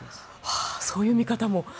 そういう見方もあると。